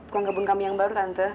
kuang kebun kami yang baru tante